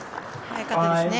よかったですね。